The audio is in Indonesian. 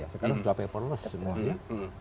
sekarang dua paperless semuanya